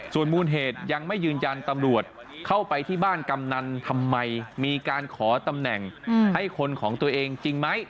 ส่วนมูลเหตุยังไม่ยืนยันตำรวจเข้าไปที่บ้านกำนันทำไมมีการขอตำแหน่งให้คนของตัวเองจริงไหม